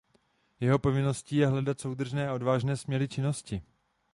Jeho povinností je hledat soudržné a odvážné směry činnosti.